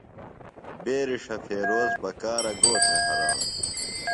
بیرݜہ فیروز بکارہ گو تھےۡ ہرانوۡ؟